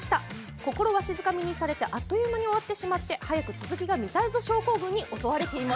心をわしづかみにされてあっという間に終わってしまって早く続きが見たいぞ症候群に襲われています。